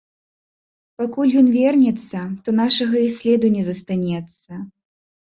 Пакуль ён вернецца, то нашага і следу не застанецца.